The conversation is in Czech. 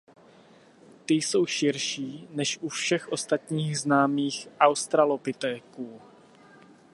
Ty jsou širší než u všech ostatních známých australopitéků.